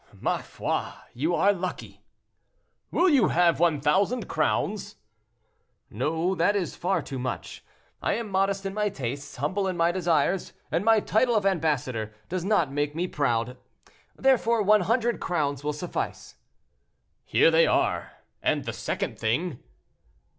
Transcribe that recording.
"Ma foi! you are lucky." "Will you have 1,000 crowns?" "No, that is far too much; I am modest in my tastes, humble in my desires, and my title of ambassador does not make me proud; therefore 100 crowns will suffice." "Here they are; and the second thing?"